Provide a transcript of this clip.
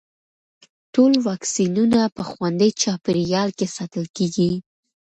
ټول واکسینونه په خوندي چاپېریال کې ساتل کېږي.